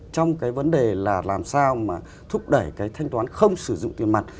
trong cái vấn đề là làm sao mà thúc đẩy cái thanh toán không sử dụng tiền mặt